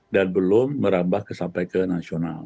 dan belum merambah sampai ke nasional